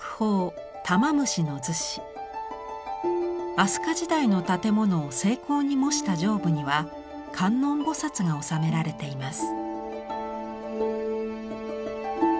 飛鳥時代の建物を精巧に模した上部には観音菩が納められています。